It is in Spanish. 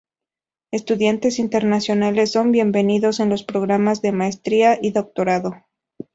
Estudiantes internacionales son bienvenidos en los programas de maestría y doctorado.